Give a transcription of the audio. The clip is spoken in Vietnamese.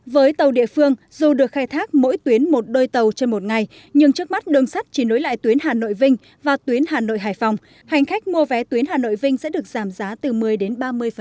với tàu địa phương dù được khai thác mỗi tuyến một đôi tàu trên một ngày nhưng trước mắt đường sắt chỉ nối lại tuyến hà nội vinh và tuyến hà nội hải phòng hành khách mua vé tuyến hà nội vinh sẽ được giảm giá từ một mươi đến ba mươi